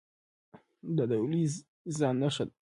دا د یوه لوی انسان نښه وي.